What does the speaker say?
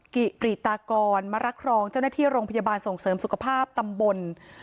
กิริตากรมารักครองเจ้าหน้าที่โรงพยาบาลส่งเสริมสุขภาพตำบล